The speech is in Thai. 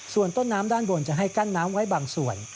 ส่วนต้นน้ำด้านบนจะให้กั้นน้ำไว้บางส่วน